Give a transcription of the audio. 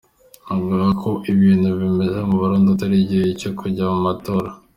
Avuga ko uko ibintu bimeze mu Burundi atari igihe cyo kujya mu matora.